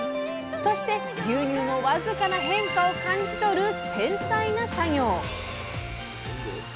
そして牛乳の僅かな変化を感じ取る繊細な作業。